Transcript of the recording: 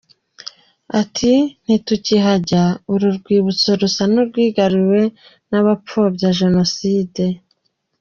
Ati “Ntitukihajya, uru rwibutso rusa n’urwigaruriwe n’abapfobya Jenoside.